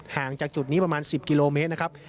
ห่างจากจุดนี้ประมาณ๑๐กิโลเมตรนะครับ